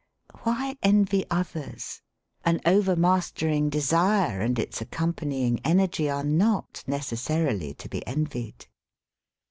Why envy others? An over mastering desire and its accompanying energy are not necessarily to be envied.